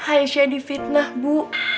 aisyah di fitnah bu